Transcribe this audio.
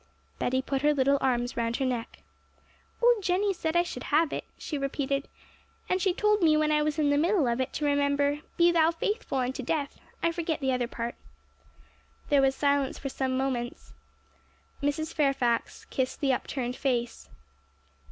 Betty put her little arms round her neck. 'Old Jenny said I should have it,' she repeated, 'and she told me when I was in the middle of it to remember, "Be thou faithful unto death" I forget the other part.' There was silence for some moments; then Mrs. Fairfax kissed the upturned face.